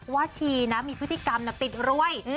ชีนะมีพฤติกรรมติดรวย